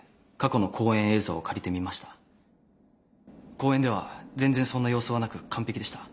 公演では全然そんな様子はなく完璧でした。